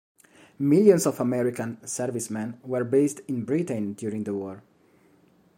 Millions of American servicemen were based in Britain during the war.